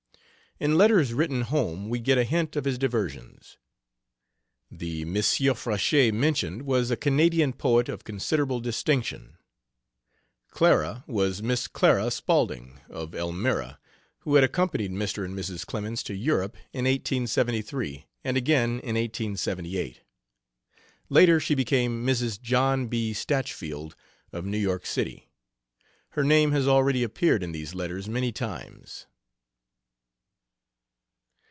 In letters written home we get a hint of his diversions. The Monsieur Frechette mentioned was a Canadian poet of considerable distinction. "Clara" was Miss Clara Spaulding, of Elmira, who had accompanied Mr. and Mrs. Clemens to Europe in 1873, and again in 1878. Later she became Mrs. John B. Staachfield, of New York City. Her name has already appeared in these letters many times.